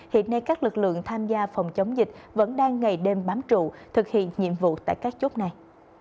hiện nay các lực lượng tham gia phòng chống dịch vẫn đang ngày đêm bám trụ thực hiện nhiệm vụ tại các chốt này